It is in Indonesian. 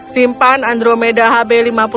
simpan andromeda hb lima puluh